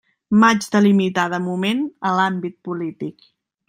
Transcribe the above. M'haig de limitar de moment a l'àmbit polític.